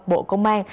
bộ công an